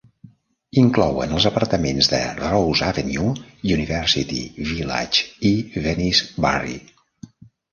Inclouen els apartaments de Rose Avenue, University Village i Venice-Barry.